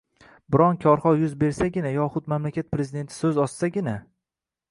biron kor-hol yuz bersagina yoxud mamlakat prezidenti so‘z ochsagina